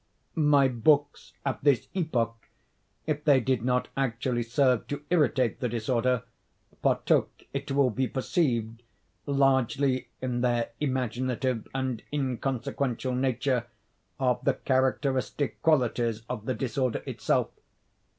My books, at this epoch, if they did not actually serve to irritate the disorder, partook, it will be perceived, largely, in their imaginative and inconsequential nature, of the characteristic qualities of the disorder itself.